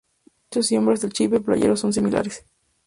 Machos y hembras del chipe playero son similares.